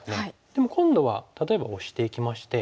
でも今度は例えばオシていきまして。